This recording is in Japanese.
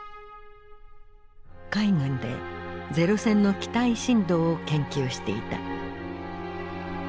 海軍で零戦の機体振動を研究していた。